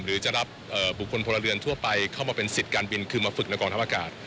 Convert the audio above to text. หรือจะรับบุคคลพลเรือนทั่วไปเข้ามาเป็นสิทธิ์การบินคือมาฝึกในกองทัพอากาศ